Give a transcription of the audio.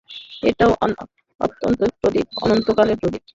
এটা অনন্তকালের প্রদীপ।